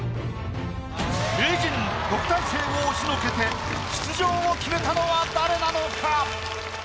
名人・特待生を押しのけて出場を決めたのは誰なのか？